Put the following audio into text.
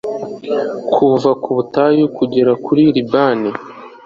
kuva ku butayu kugera kuri libani